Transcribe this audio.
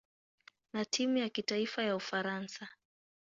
na timu ya kitaifa ya Ufaransa.